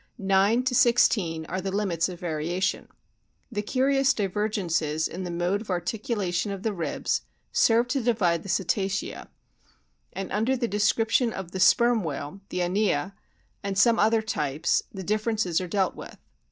Nine to sixteen are the limits of variation. The curious divergences in the mode of articulation of the ribs serve to divide the Cetacea; and under the description of the Sperm whale, the Inia, and some other types, the differences are dealt with.